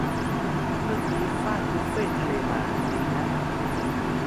เมื่อกี้ฟาดบุฟเฟต์ทะเลมา ดีนะ